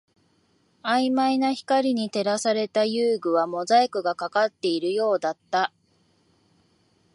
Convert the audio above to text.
曖昧な光に照らされた遊具はモザイクがかかっているようだった